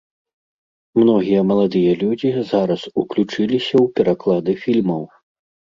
Многія маладыя людзі зараз уключыліся ў пераклады фільмаў.